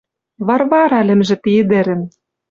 Варвара лӹмжӹ тӹ ӹдӹрӹн.